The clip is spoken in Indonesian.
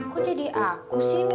kok jadi aku sih